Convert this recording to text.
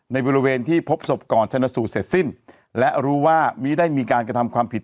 ในบริเวณที่พบศพก่อนชนสูตรเสร็จสิ้นและรู้ว่ามิได้มีการกระทำความผิด